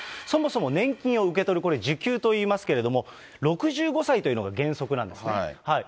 そもそも年金を受け取る、これ、受給と言いますけれども、６５歳というのが原則なんですね。